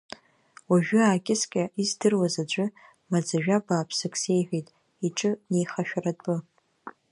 Уажәы аакьыскьа издыруаз аӡәы, маӡажәа бааԥсык сеиҳәеит, иҿы неихашәаратәы.